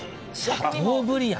シャトーブリアン。